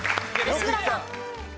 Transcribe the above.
吉村さん。